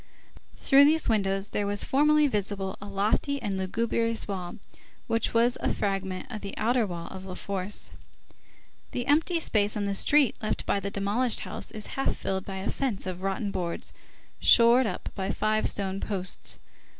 Through these windows there was formerly visible a lofty and lugubrious wall, which was a fragment of the outer wall of La Force. The empty space on the street left by the demolished house is half filled by a fence of rotten boards, shored up by five stone posts.